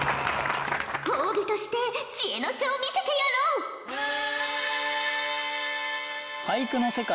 褒美として知恵の書を見せてやろう！ええ！？